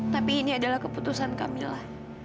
tapi ini adalah keputusan kamilah